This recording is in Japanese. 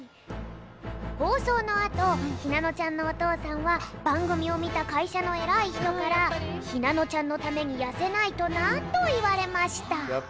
放送のあとひなのちゃんのお父さんはばんぐみをみた会社のエラい人から「ひなのちゃんのためにやせないとな」といわれました。